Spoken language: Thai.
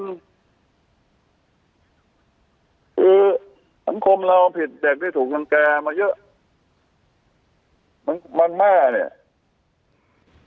คือสังคมเราผิดเด็กที่ถูกรังแก่มาเยอะมันมันแม่เนี่ย